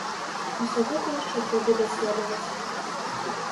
Усё гэта яшчэ трэба даследаваць.